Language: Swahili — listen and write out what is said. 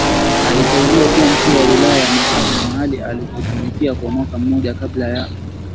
aliteuliwa kuwa mkuu wa wilaya ya Masasi mahali alikotumikia kwa mwaka mmoja kabla ya